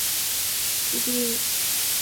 迭代幂次可被推广至无穷高。